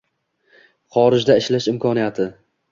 Xorijda ishlash imkoniyati